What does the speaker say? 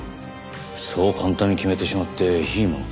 そう簡単に決めてしまっていいものか。